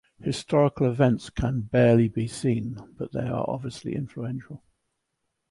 Historical events can barely be seen, but they are obviously influential.